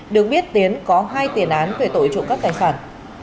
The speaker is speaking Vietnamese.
được biết tiến có hai tiền án về tội trộm cắp tài sản